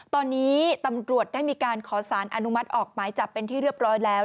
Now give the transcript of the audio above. ตอนนี้ตำรวจได้มีการขอสารอนุมัติออกหมายจับเป็นที่เรียบร้อยแล้ว